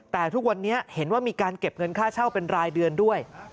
แต่ทุกวันนี้เห็นว่ามีการเก็บเงินค่าเช่าเป็นรายเดือนด้วย